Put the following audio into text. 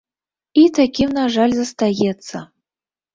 І такім, на жаль, застаецца.